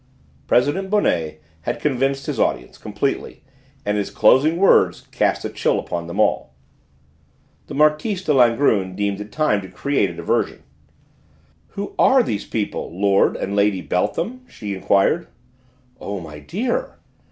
President Bonnet had convinced his audience completely, and his closing words cast a chill upon them all. The Marquise de Langrune deemed it time to create a diversion. "Who are these people, Lord and Lady Beltham?" she enquired. "Oh, my dear!"